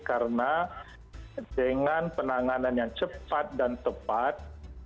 karena dengan penanganan yang cepat dan tepat